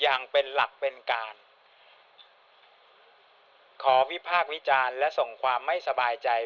อย่างเป็นหลักเป็นการขอวิพากษ์วิจารณ์และส่งความไม่สบายใจ